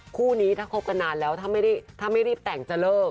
คู่นี้ถ้าคบกันนานแล้วถ้าไม่รีบแต่งจะเลิก